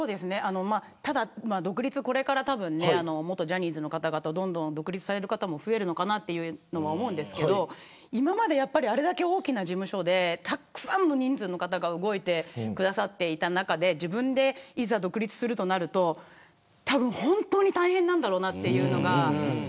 ただ、これから元ジャニーズの方々独立される方増えると思うんですけど今まであれだけ大きな事務所でたくさんの人数の方が動いてくださっていた中で自分でいざ独立するとなると本当に大変だろうなというのが。